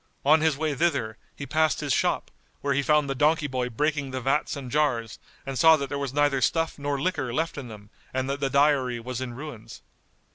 On his way thither, he passed his shop, where he found the donkey boy breaking the vats and jars and saw that there was neither stuff nor liquor left in them and that the dyery was in ruins.